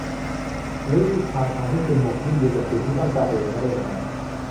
หรืออีกทางทำให้คุณหมกมุ่นอยู่กับสิ่งที่ต้องการแต่ยังไม่ได้มา